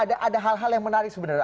ada hal hal yang menarik sebenarnya